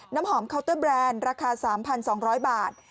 น้ำหอมเคาน์เตอร์แบรนด์ราคา๓๒๐๐บาท